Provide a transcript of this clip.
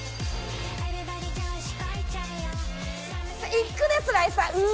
いくでスライサー！